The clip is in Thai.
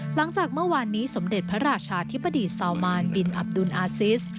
หลังจากเมื่อวานนี้สมเด็จพระราชาธิบดีซาวมานบินอับดุลอาซิส